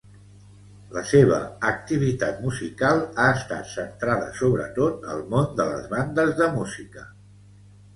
La seva activitat musical ha estat centrada sobretot al món de les bandes de música.